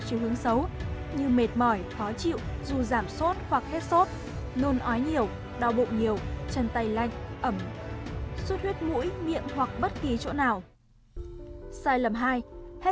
sai lầm hai hết sốt là khỏi bệnh